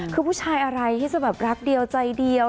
คือผู้ชายอะไรที่จะแบบรักเดียวใจเดียว